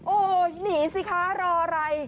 โอ้โหหนีสิคะรออะไร